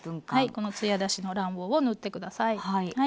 このつや出しの卵黄を塗って下さい。